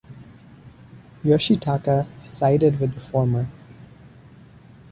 Yoshitaka sided with the former.